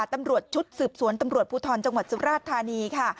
ตำรวจชุดสืบสวนตำรวจภูทรจังหวัดสุราชธานีค่ะ